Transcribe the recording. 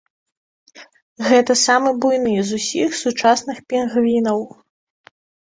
Гэта самы буйны з усіх сучасных пінгвінаў.